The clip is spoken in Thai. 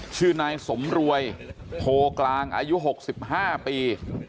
ชื่อนายสมรวยโพลกลางอายุหกสิบห้าปี